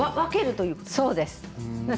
そうです。